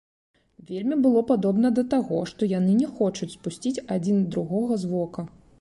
Вельмі было падобна да таго, што яны не хочуць спусціць адзін другога з вока.